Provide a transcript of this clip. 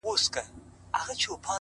بيا يوازيتوب دی بيا هغه راغلې نه ده _